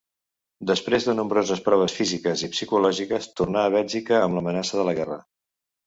Després de nombroses proves físiques i psicològiques, torna a Bèlgica amb l’amenaça de la guerra.